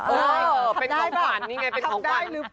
เป็นของขวัญนี่ไงเป็นของขวัญ